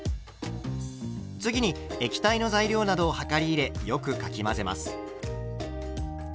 次に液体の材料などを量り入れよくかき混ぜます。